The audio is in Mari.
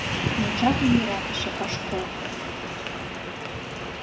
Но чапым йӧратыше ыш кол.